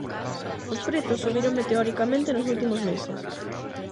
Os prezos subiron meteoricamente nos últimos meses.